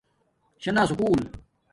شانا سکُول